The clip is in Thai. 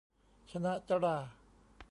ชนะจร้า